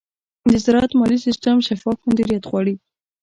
د زراعت مالي سیستم شفاف مدیریت غواړي.